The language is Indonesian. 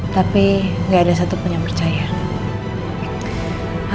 tapi gak ada satu penyampercayaan